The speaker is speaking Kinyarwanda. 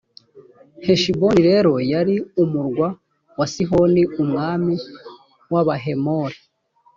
heshiboni rero yari umurwa wa sihoni, umwami w’abahemori.